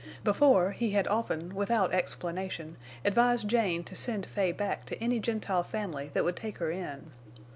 Before, he had often, without explanation, advised Jane to send Fay back to any Gentile family that would take her in.